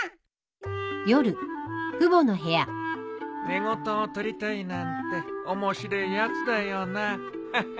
寝言をとりたいなんて面白えやつだよなハッハン。